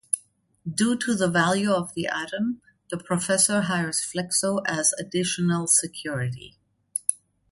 Due to the value of the atom, the Professor hires Flexo as additional security.